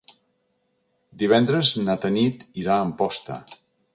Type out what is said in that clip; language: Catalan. Divendres na Tanit irà a Amposta.